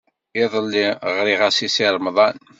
Iḍelli ɣriɣ-as i Si Remḍan.